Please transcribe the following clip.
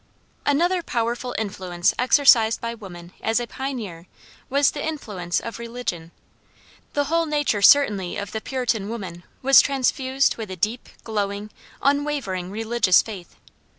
Another powerful influence exercised by woman as a pioneer was the influence of religion. The whole nature certainly of the Puritan woman was transfused with a deep, glowing, unwavering religious faith.